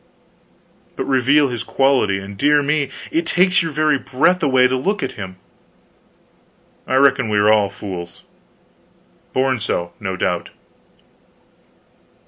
But reveal his quality, and dear me it takes your very breath away to look at him. I reckon we are all fools. Born so, no doubt.